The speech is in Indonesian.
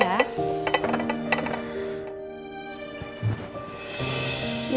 saya taruh disini ya